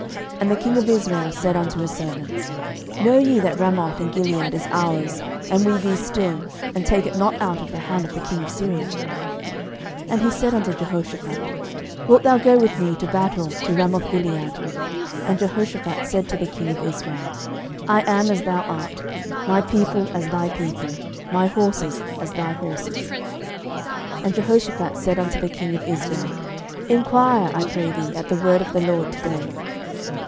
11:022:003 And the king of Israel said unto his servants, Know ye that Ramoth in Gilead is ours, and we be still, and take it not out of the hand of the king of Syria? 11:022:004 And he said unto Jehoshaphat, Wilt thou go with me to battle to Ramothgilead? And Jehoshaphat said to the king of Israel, I am as thou art, my people as thy people, my horses as thy horses. 11:022:005 And Jehoshaphat said unto the king of Israel, Enquire, I pray thee, at the word of the LORD to day.